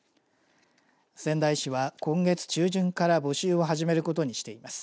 仙台市は今月中旬から募集を始めることにしています。